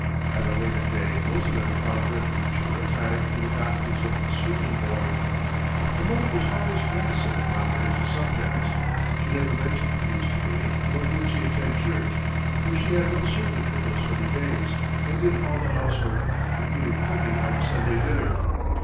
At a later day most of them found refuge for a time in the doctrines of Swedenborg. My mother was always reticent upon religious subjects. She never mentioned these to me nor did she attend church, for she had no servant in those early days and did all the housework, including cooking our Sunday dinner.